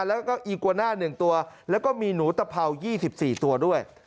แล้วก็อีกวาน่า๑ตัวแล้วก็มีหนูตะเพรา๒๔ตัวด้วย